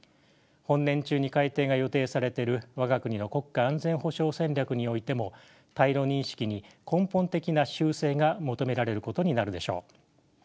本年中に改訂が予定されている我が国の国家安全保障戦略においても対ロ認識に根本的な修正が求められることになるでしょう。